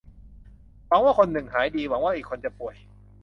หวังว่าคนนึงจะหายดี หวังว่าอีกคนจะป่วย